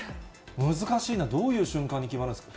難しいな、どういう瞬間に決まるんですか。